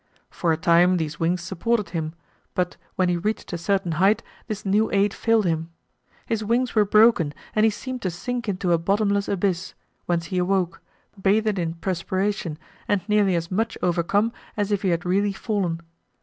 For a time these wings supported him, but when he reached a certain height this new aid failed him. His wings were broken and he seemed to sink into a bottomless abyss, whence he awoke, bathed in perspiration and nearly as much overcome as if he had really fallen.